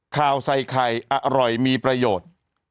ข่าวใส่ไข่อร่อยมีประโยชน์